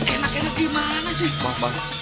enak enak gimana sih